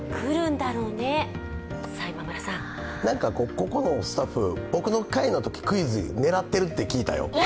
ここのスタッフ、僕の回のときクイズ狙ってるって聞いたよ。